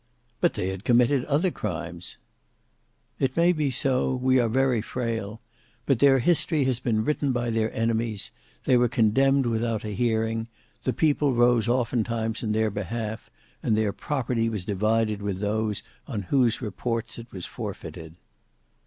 "But they had committed other crimes." "It may be so; we are very frail. But their history has been written by their enemies; they were condemned without a hearing; the people rose oftentimes in their behalf; and their property was divided with those on whose reports it was forfeited."